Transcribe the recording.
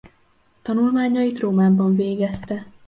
Tanulmányait Rómában végezte.